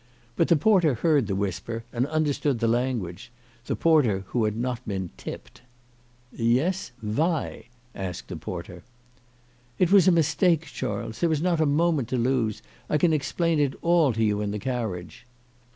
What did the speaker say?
But the porter heard the whisper, and understood the language ; the porter who had not been " tipped." " Ye'es ; vy ?" asked the porter. " It was a mistake, Charles ; there is not a moment to lose. I can explain it all to you in the carriage."